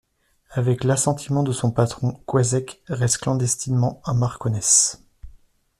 Avec l'assentiment de son patron, Coëzec reste clandestinement à Marconesse.